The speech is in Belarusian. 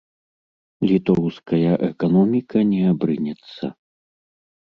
Літоўская эканоміка не абрынецца.